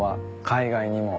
海外にも。